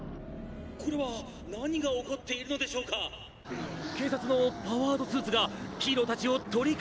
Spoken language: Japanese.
「これは何が起こっているのでしょうか⁉警察のパワードスーツがヒーローたちを取り囲んでおります！」